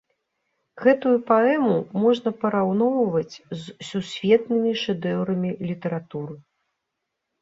Гэтую паэму можна параўноўваць з сусветнымі шэдэўрамі літаратуры.